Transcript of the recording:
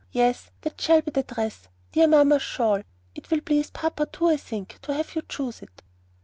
Yes, that shall be the dress, dear mamma's shawl. It will please papa too, I think, to have you choose it."